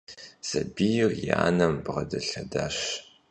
Сабийр и анэм бгъэдэлъэдащ.